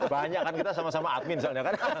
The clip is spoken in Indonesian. banyak kan kita sama sama admin soalnya kan